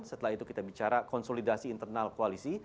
setelah itu kita bicara konsolidasi internal koalisi